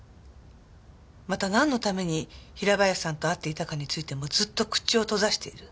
またなんのために平林さんと会っていたかについてもずっと口を閉ざしている。